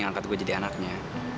angkat gue jadi anaknya